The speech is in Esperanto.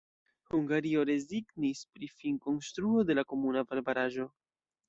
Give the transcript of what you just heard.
Hungario rezignis pri finkonstruo de la komuna valbaraĵo.